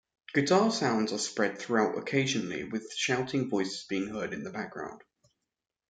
Guitar sounds are spread throughout occasionally with shouting voices being heard in the background.